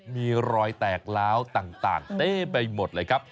มีรอยแตกล้าวต่างเต้ไปหมดเลยครับ